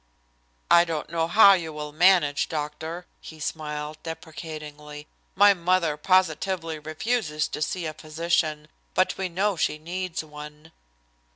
"I don't know how you will manage, doctor." He smiled deprecatingly. "My mother positively refuses to see a physician, but we know she needs one."